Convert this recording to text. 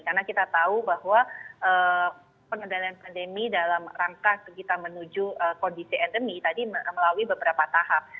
karena kita tahu bahwa pengendalian pandemi dalam rangka kita menuju kondisi endemik tadi melalui beberapa tahap